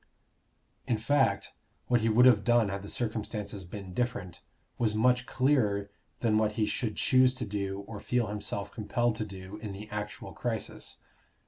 In fact, what he would have done had the circumstances been different, was much clearer than what he should choose to do or feel himself compelled to do in the actual crisis.